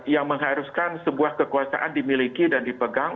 yang mengharuskan sebuah kekuasaan dimiliki dan dipegang